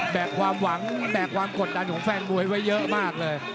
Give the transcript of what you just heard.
ความหวังแบกความกดดันของแฟนมวยไว้เยอะมากเลย